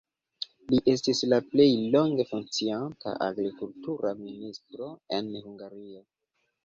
Li estis la plej longe funkcianta agrikultura ministro en Hungario.